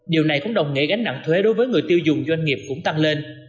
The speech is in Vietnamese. điều này cũng đồng nghĩa gánh nặng thuế đối với người tiêu dùng doanh nghiệp cũng tăng lên